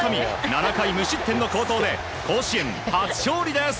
７回無失点の好投で甲子園初勝利です！